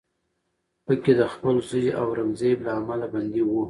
په کې د خپل زوی اورنګزیب له امله بندي و